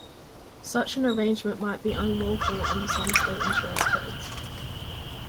Such an arrangement might be unlawful under some state insurance codes.